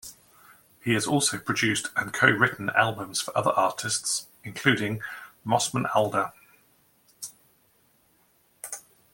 He has also produced and co-written albums for other artists, including Mosman Alder.